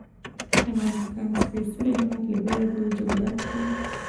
د افغانستان سپېڅلی هېواد له بېلابېلو ژبو ډک دی.